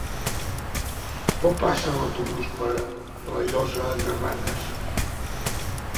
Quan passa l'autobús per la Llosa de Ranes?